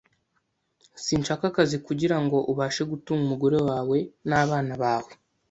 Shaka akazi kugirango ubashe gutunga umugore wawe nabana bawe.